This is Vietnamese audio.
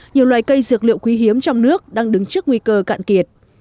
nhiều loài cây dược liệu quý hiếm trong nước đang đứng trước nguy cơ cạn kiệt